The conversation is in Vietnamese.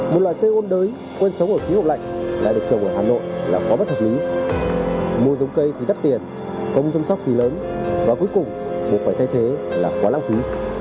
một loài cây ôn đới quen sống ở khí hậu lạnh lại được trồng ở hà nội là khó bắt hợp lý mua giống cây thì đắt tiền công chăm sóc thì lớn và cuối cùng buộc phải thay thế là khó lãng phí